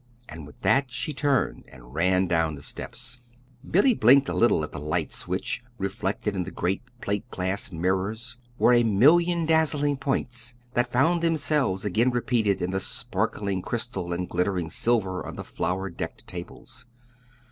And with that she turned and ran down the steps. Billy blinked a little at the lights which, reflected in the great plate glass mirrors, were a million dazzling points that found themselves again repeated in the sparkling crystal and glittering silver on the flower decked tables.